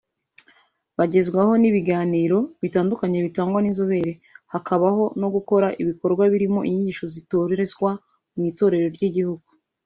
bagezwaho n’ibiganiro bitandukanye bitangwa n’inzobere hakabaho no gukora ibikorwa birimo inyigisho zitorezwa mu Itorero ry’Igihugu